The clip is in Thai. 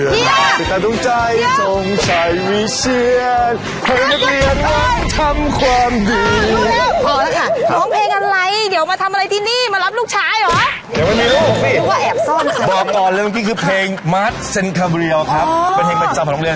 แต่ทุกใจสงใจวิเศษให้มันเปลี่ยนมันทำความดี